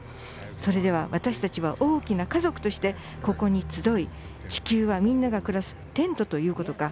それでは私たちは大きな家族としてここに集い地球はみんなが暮らすテントということか？